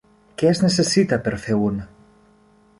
Què es necessita per fer un??